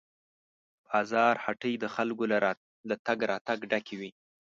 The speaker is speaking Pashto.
د بازار هټۍ د خلکو له تګ راتګ ډکې وې.